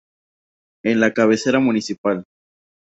Es la cabecera municipal.